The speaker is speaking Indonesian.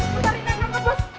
aku tari tangan lo bos